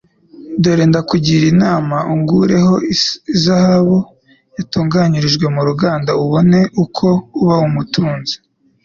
"Dore ndakugira inama, ungureho izahabu yatunganirijwe mu ruganda ubone uko uba umutunzi;